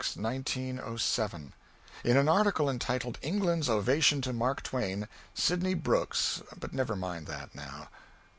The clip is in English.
_] In an article entitled "England's Ovation to Mark Twain," Sydney Brooks but never mind that, now.